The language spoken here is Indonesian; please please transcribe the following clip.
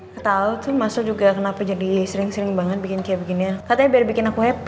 ketau tuh mas alin juga kenapa jadi sering sering banget bikin kia ginian katanya biar bikin aku happy